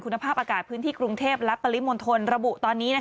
คุณภาพอากาศพื้นที่กรุงเทพและปริมณฑลระบุตอนนี้